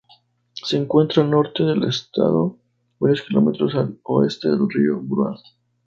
Se encuentra al norte del estado, varios kilómetros al oeste del río Broad.